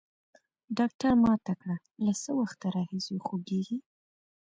ډاکتر ما ته کړه له څه وخت راهيسي خوږېږي.